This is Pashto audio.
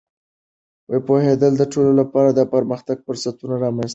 پوهېدل د ټولو لپاره د پرمختګ فرصتونه رامینځته کوي.